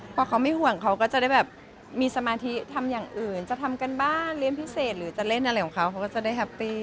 พอเขาไม่ห่วงเขาก็จะได้แบบมีสมาธิทำอย่างอื่นจะทำการบ้านเรียนพิเศษหรือจะเล่นอะไรของเขาเขาก็จะได้แฮปปี้